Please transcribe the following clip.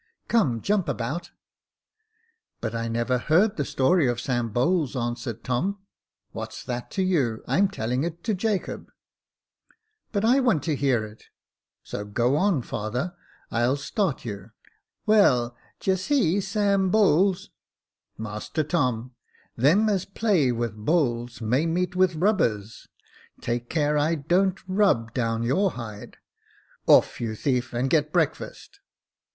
Come, jump about," " But I never heard the story of Sam Bowles," answered Tom. " What's that to you ? I'm telling it to Jacob." Jacob Faithful 91 But I want to hear it — so go on, father. I'll start you. Well, d'ye see, Sam Bowles "" Master Tom, them as play with bowls may meet with rubbers. Take care I don't rub down your hide. Off, you thief, and get breakfast."